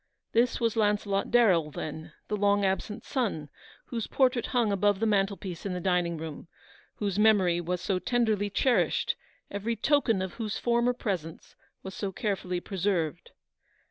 This was Launcelot Darrell, then, the long absent son, whose portrait hung above the mantel piece in the dining room, whose memory was so tenderly cherished, every token of whose former presence was so carefully preserved.